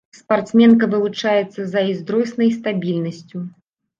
Спартсменка вылучаецца зайздроснай стабільнасцю.